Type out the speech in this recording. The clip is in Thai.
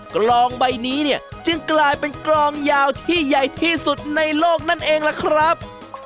กลองใบนี้เนี่ยจึงกลายเป็นกลองยาวที่ใหญ่ที่สุดในโลกนั่นเองล่ะครับ